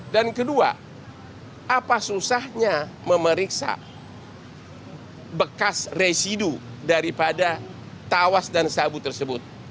kedua apa susahnya memeriksa bekas residu daripada tawas dan sabu tersebut